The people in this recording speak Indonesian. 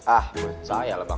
ah saya lah pak